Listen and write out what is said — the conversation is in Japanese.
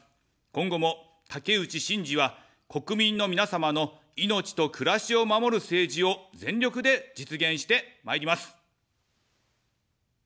今後も、竹内しんじは、国民の皆様の命と暮らしを守る政治を全力で実現してまいります。